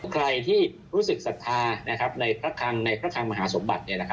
ใครที่รู้สึกศรัทธาในพระคังในพระคังมหาศพบัตร